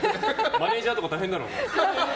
マネジャーとか大変だろうね。